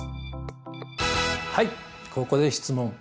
はいここで質問。